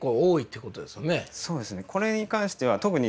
そうですね